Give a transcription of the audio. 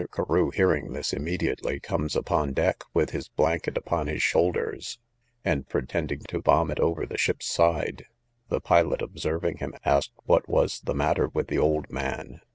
Carew, hearing this, immediately comes upon deck, with his blanket upon his shoulders, and pretended to vomit over the ship's side. The pilot, observing him, asked what was the matter with the old man.